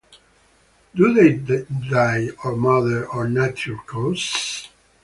Do they die of murder or natural causes?